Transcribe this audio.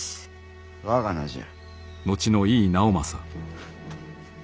我が名じゃ」。